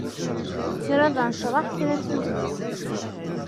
Kra d anecreḥ, kra d tugdi.